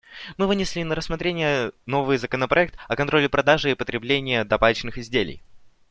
Мы вынесли на рассмотрение новый законопроект о контроле продажи и потребления табачных изделий.